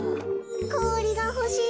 こおりがほしい。